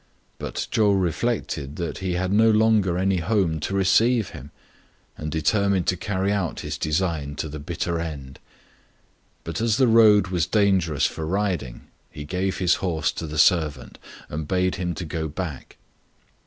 But Chou reflected that he had no longer any home to receive him, and deter mined to carry out his design to the bitter end ; but as the road was dangerous for riding, he gave his horse to the servant, and bade him go back.